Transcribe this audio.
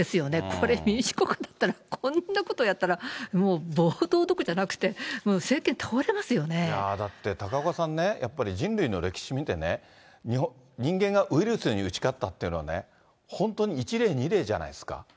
これ民主国家だったら、こんなことやったら、もう暴動どころじゃなくて、だって高岡さんね、やっぱり人類の歴史見てね、人間がウイルスに打ち勝ったっていうのはね、本当に１例、２例じゃないですか。